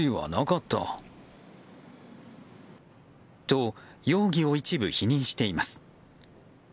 と、容疑を一部否認しています。